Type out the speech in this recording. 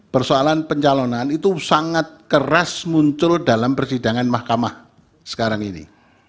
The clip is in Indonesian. persoalan pencalonan itu sangat keras muncul dalam persidangan mahkamah sekarang ini